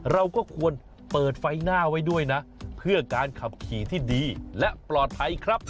เราก็ควรเปิดไฟหน้าไว้ด้วยนะเพื่อการขับขี่ที่ดีและปลอดภัยครับ